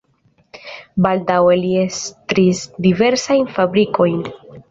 Baldaŭe li estris diversajn fabrikojn.